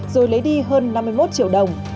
rồi lấy đi hơn năm mươi một triệu đồng